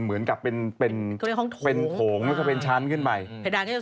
ซึ่งตอน๕โมง๔๕นะฮะทางหน่วยซิวได้มีการยุติการค้นหาที่